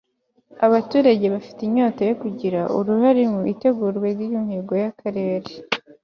abaturage bafite inyota yo kugira uruhare mu itegurwa ry'imihigo y'akarere